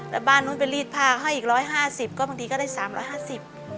แล้วบ้านนู้นไปรีดผ้าให้อีกร้อยห้าสิบก็บางทีก็ได้สามร้อยห้าสิบ